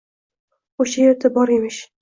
O’sha yerda bor emish.